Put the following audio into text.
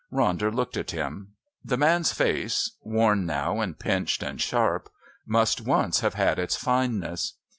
Ronder looked at him. The man's face, worn now and pinched and sharp, must once have had its fineness.